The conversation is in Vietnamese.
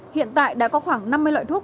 hiện tại đã có khoảng năm mươi loại thuốc